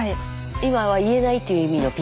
今は言えないという意味のピーですか？